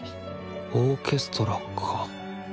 オーケストラか。